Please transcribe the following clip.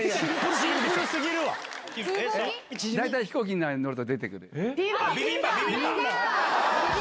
大体飛行機に乗ると出てくる。